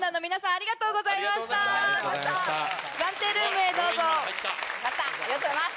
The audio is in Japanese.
ありがとうございます！